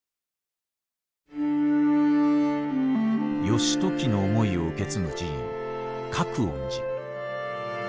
義時の思いを受け継ぐ寺院覚園寺。